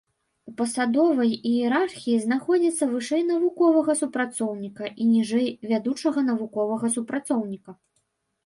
У пасадовай іерархіі знаходзіцца вышэй навуковага супрацоўніка і ніжэй вядучага навуковага супрацоўніка.